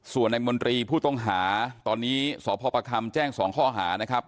ส่วนในมนตรีผู้ต้องหาตอนนี้สพประคำแจ้ง๒ข้อหานะครับ